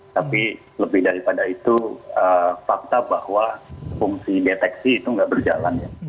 tapi lebih daripada itu fakta bahwa fungsi deteksi itu nggak berjalan ya